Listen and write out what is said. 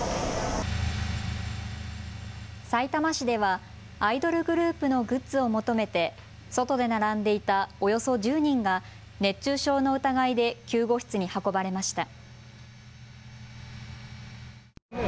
さいたま市ではアイドルグループのグッズを求めて外で並んでいたおよそ１０人が熱中症の疑いで救護室に運ばれました。